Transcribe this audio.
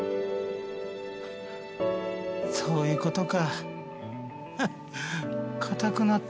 そういうことかハッ。